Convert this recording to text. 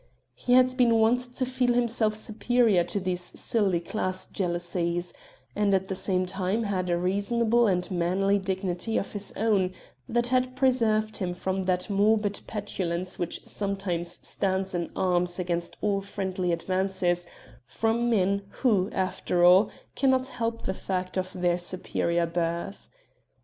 He had been wont to feel himself superior to these silly class jealousies, and at the same time had a reasonable and manly dignity of his own that had preserved him from that morbid petulance which sometimes stands in arms against all friendly advances from men who, after all, cannot help the fact of their superior birth.